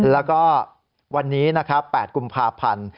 แล้วก็วันนี้๘กุมภาพันธุ์